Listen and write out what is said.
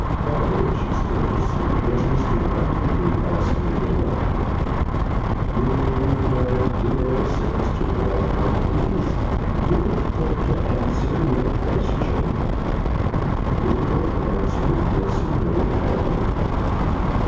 'Father,' she still pursued, 'does Mr. Bounderby ask me to love him?' 'Really, my dear,' said Mr. Gradgrind, 'it is difficult to answer your question—' 'Difficult to answer it, Yes or No, father?